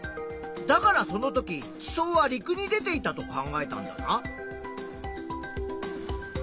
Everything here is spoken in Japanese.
だからそのとき地層は陸に出ていたと考えたんだな。